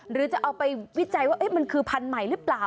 หรือจะเอาไปวิจัยว่ามันคือพันธุ์ใหม่หรือเปล่า